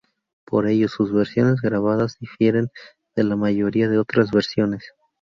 Por ello, sus versiones grabadas difieren de la mayoría de otras versiones.